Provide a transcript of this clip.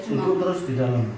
itu terus di dalam